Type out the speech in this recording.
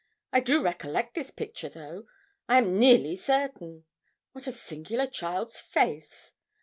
I do recollect this picture, though, I am nearly certain. What a singular child's face!'